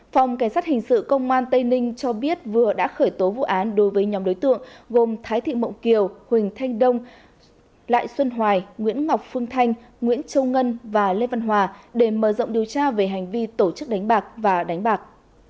phòng cảnh sát hình sự công an tây ninh cho biết vừa đã khởi tố vụ án đối với nhóm đối tượng gồm thái thị mộng kiều huỳnh thanh đông lại xuân hoài nguyễn ngọc phương thanh nguyễn châu ngân và lê văn hòa để mở rộng điều tra về hành vi tổ chức đánh bạc và đánh bạc